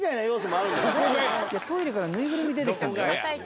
いやトイレからぬいぐるみ出てきたんだよ。